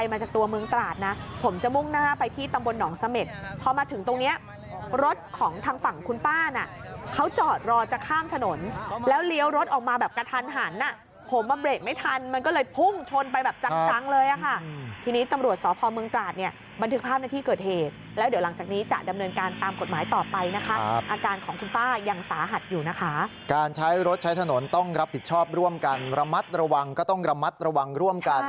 มาถึงตรงเนี้ยรถของทางฝั่งคุณป้าน่ะเขาจอดรอจากข้ามถนนแล้วเลี้ยวรถออกมาแบบกระทันหันอ่ะผมมันเบรกไม่ทันมันก็เลยพุ่งชนไปแบบจักรั้งเลยอ่ะค่ะทีนี้ตำรวจสภพเมืองตราดเนี่ยบันทึกภาพในที่เกิดเหตุแล้วเดี๋ยวหลังจากนี้จะดำเนินการตามกฎหมายต่อไปนะคะอาการของคุณป้ายังสาหัสอยู่นะคะการ